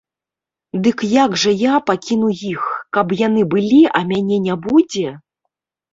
Дык як жа я пакіну іх, каб яны былі, а мяне не будзе!